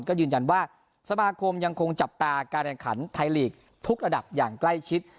ก็ยืนยันว่าสมาคมยังคงจับตาการแข่งขันไทยลีกทุกระดับอย่างใกล้ชิด